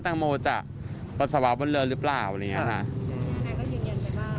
ตำรวจจะปรสาวะบนเรือหรือเปล่าอะไรอย่างนี้นะคะ